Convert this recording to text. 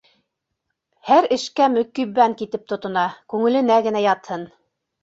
Һәр эшкә мөкиббән китеп тотона — күңеленә генә ятһын.